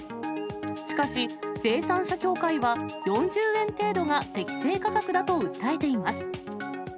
しかし、生産者協会は、４０円程度が適正価格だと訴えています。